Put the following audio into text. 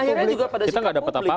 dan akhirnya juga pada sikap publik